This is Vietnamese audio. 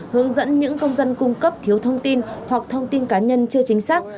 hướng dẫn những công dân cung cấp thiếu thông tin hoặc thông tin cá nhân chưa chính xác